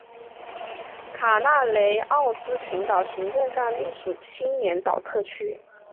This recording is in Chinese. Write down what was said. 卡纳雷奥斯群岛行政上隶属青年岛特区。